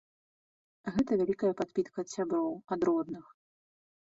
Гэта вялікая падпітка ад сяброў, ад родных.